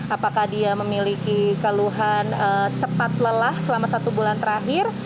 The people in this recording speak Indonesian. apakah dia memiliki keluhan cepat lelah selama satu bulan terakhir